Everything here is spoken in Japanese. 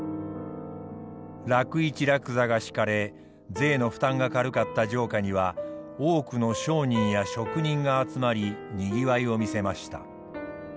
楽市楽座が敷かれ税の負担が軽かった城下には多くの商人や職人が集まりにぎわいを見せました。